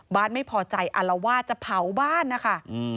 บาทไม่พอใจอาละว่าจะเผาบ้านนะคะ